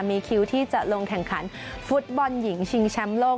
มีคิวที่จะลงแข่งขันฟุตบอลหญิงชิงแชมป์โลก